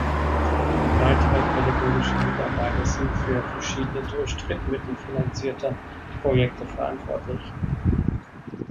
Weitere pädagogische Mitarbeiter sind für verschiedene durch Drittmittel finanzierte Projekte verantwortlich.